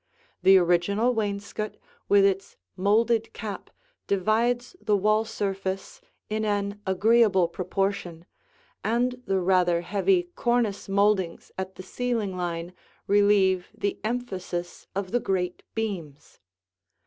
The original wainscot with its molded cap divides the wall surface in an agreeable proportion, and the rather heavy cornice moldings at the ceiling line relieve the emphasis of the great beams.